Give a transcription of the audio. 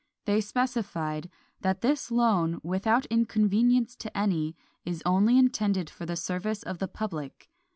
They specified, "that this loan, without inconvenience to any, is only intended for the service of the public.